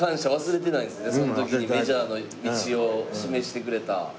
その時にメジャーの道を示してくれた。